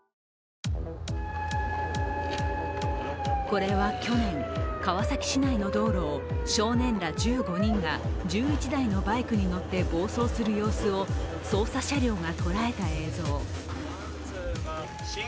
これは去年、川崎市内の道路を少年ら１５人が１１台のバイクに乗って暴走する様子を捜査車両が捉えた映像。